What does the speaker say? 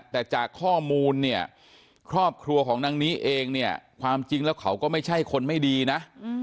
แต่จากข้อมูลเนี่ยครอบครัวของนางนี้เองเนี่ยความจริงแล้วเขาก็ไม่ใช่คนไม่ดีนะ